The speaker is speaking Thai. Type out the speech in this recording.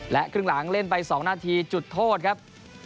ครึ่งหลังเล่นไป๒นาทีจุดโทษครับ